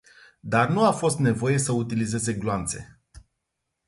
Dar nu a fost nevoie să utilizeze gloanțe.